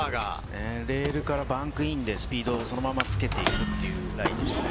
レールからバンクインでスピードをそのままつけていくというラインでしたね。